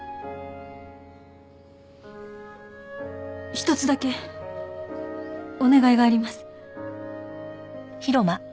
一つだけお願いがあります。